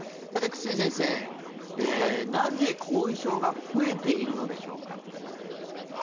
久住先生、なぜ後遺症が増えているのでしょうか。